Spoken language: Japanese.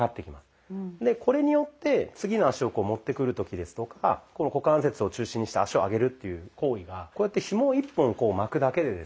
でこれによって次の足をこう持ってくる時ですとかこの股関節を中心にした足を上げるっていう行為がこうやってひもを１本こう巻くだけでですね